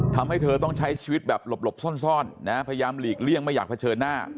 ทำให้เธอต้องใช้ชีวิตแบบหลบซ่อนนะพยายามหลีกเลี่ยงไม่อยากเผชิญหน้า